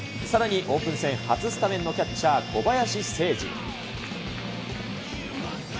さらに、オープン戦初スタメンのキャッチャー、小林誠司。